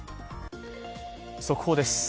速報です。